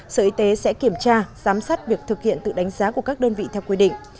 sở y tế sẽ kiểm tra giám sát việc thực hiện tự đánh giá của các đơn vị theo quy định